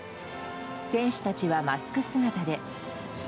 選手たちはマスク姿で。